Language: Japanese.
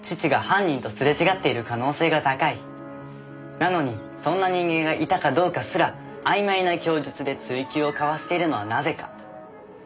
なのにそんな人間がいたかどうかすらあいまいな供述で追及をかわしているのはなぜか？